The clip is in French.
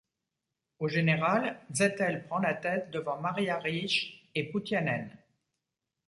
Au général, Zettel prend la tête devant Maria Riesch et Poutianen.